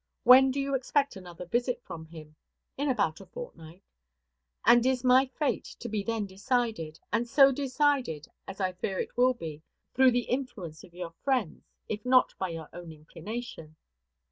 When do you expect another visit from him?" "In about a fortnight." "And is my fate to be then decided? and so decided, as I fear it will be, through the influence of your friends, if not by your own inclination?"